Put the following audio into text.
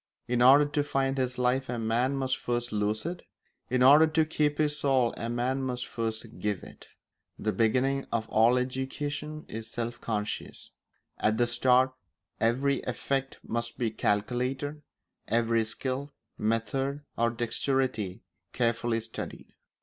In order to find his life a man must first lose it; in order to keep his soul a man must first give it. The beginning of all education is self conscious; at the start every effect must be calculated, every skill, method, or dexterity carefully studied.